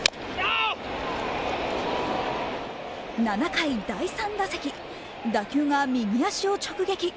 ７回第３打席、打球が右足を直撃。